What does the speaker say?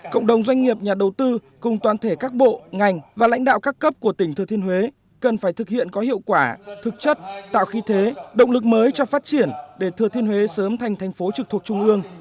cộng đồng doanh nghiệp nhà đầu tư cùng toàn thể các bộ ngành và lãnh đạo các cấp của tỉnh thừa thiên huế cần phải thực hiện có hiệu quả thực chất tạo khí thế động lực mới cho phát triển để thừa thiên huế sớm thành thành phố trực thuộc trung ương